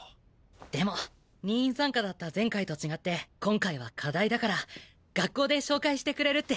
でも任意参加だった前回と違って今回は課題だから学校で紹介してくれるって。